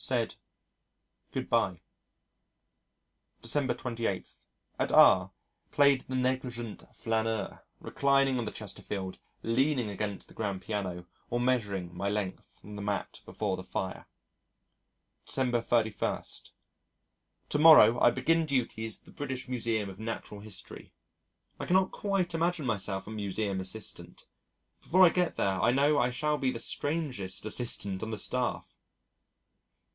Said "Good bye." December 28. At R . Played the negligent flaneur, reclining on the Chesterfield, leaning against the grand piano, or measuring my length on the mat before the fire. December 31. To morrow I begin duties at the British Museum of Natural History. I cannot quite imagine myself a Museum assistant. Before I get there I know I shall be the strangest assistant on the staff.